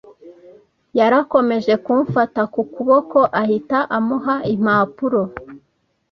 Yarakomeje kumfata ku kuboko, ahita amuha impapuro.